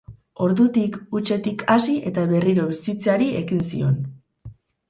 Ordutik, hutsetik hasi, eta berriro bizitzeari ekin zion.